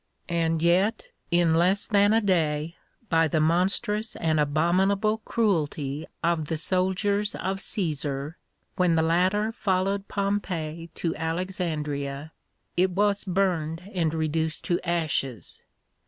And yet in less than a day, by the monstrous and abominable cruelty of the soldiers of Cæsar, when the latter followed Pompey to Alexandria, it was burned and reduced to ashes.